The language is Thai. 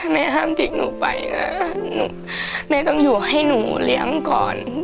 แม่ห้ามเด็กหนูไปนะแม่ต้องอยู่ให้หนูเลี้ยงก่อน